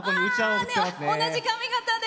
同じ髪形で。